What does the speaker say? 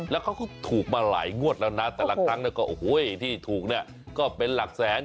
แล้วเขาก็ถูกมาหลายงวดแล้วนะแต่ละครั้งเนี่ยก็โอ้โหที่ถูกเนี่ยก็เป็นหลักแสน